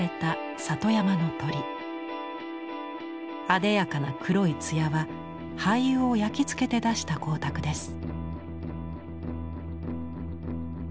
あでやかな黒い艶は廃油を焼きつけて出した光沢です。